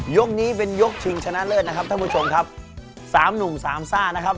ยกนี้เป็นยกชิงชนะเลิศนะครับท่านผู้ชมครับสามหนุ่มสามซ่านะครับ